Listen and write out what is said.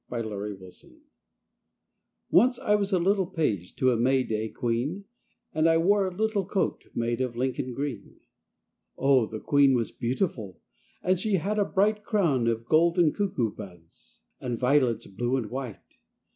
THE QUEEN'S PAGE Once I was a little page To a May day queen, And I wore a little coat Made of Lincoln green. Oh, the queen was beautiful! And she had a bright Crown of golden cuckoo buds And violets blue and white.